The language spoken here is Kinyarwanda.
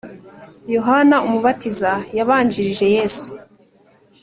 Yohana umubatiza yabanjirije yesu